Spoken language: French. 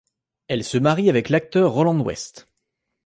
Elle se marie avec l'acteur Roland West.